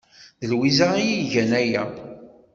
D Lwiza ay igan aya.